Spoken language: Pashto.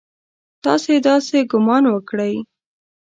تاسې داسې ګومان وکړئ!